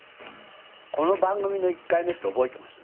この番組の１回目って覚えてます？